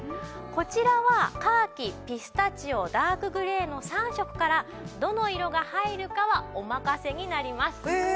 こちらはカーキピスタチオダークグレーの３色からどの色が入るかはお任せになります。